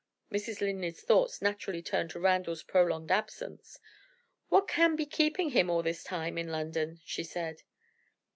Mrs. Linley's thoughts naturally turned to Randal's prolonged absence. "What can be keeping him all this time in London?" she said.